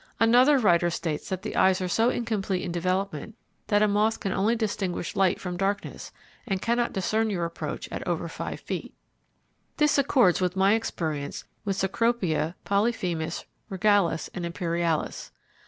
Another writer states that the eyes are so incomplete in development that a moth only can distinguish light from darkness and cannot discern your approach at over five feet. This accords with my experience with Cecropia, Polyphemus, Regalis, and Imperialis.